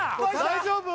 大丈夫？